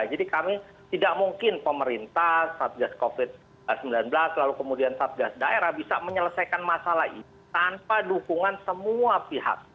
jadi kami tidak mungkin pemerintah saat gas covid sembilan belas lalu kemudian saat gas daerah bisa menyelesaikan masalah ini tanpa dukungan semua pihak